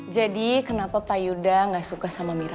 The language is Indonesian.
jadi kenapa pak yuda enggak suka sama mira